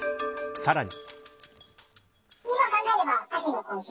さらに。